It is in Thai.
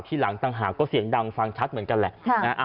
หลังต่างหากก็เสียงดังฟังชัดเหมือนกันแหละ